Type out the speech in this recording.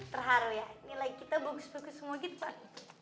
terharu ya nilai kita bagus bagus semua gitu pak